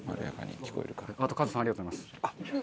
あと、カズさんありがとうございます。